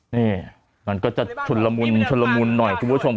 นี่มันก็จะฉุนละมุนชุลมุนหน่อยคุณผู้ชม